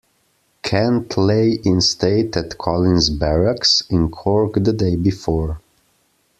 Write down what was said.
Kent lay in state at Collins Barracks in Cork the day before.